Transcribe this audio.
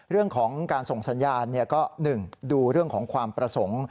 เรื่องของการส่งสัญญาณก็๑ดูเรื่องของความประสงค์